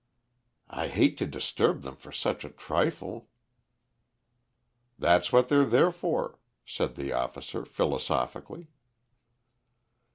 "I hate to disturb them for such a trifle." "That's what they're there for," said the officer philosophically.